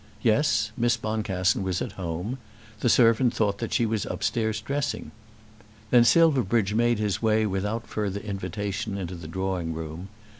Yes; Miss Boncassen was at home. The servant thought that she was upstairs dressing. Then Silverbridge made his way without further invitation into the drawing room.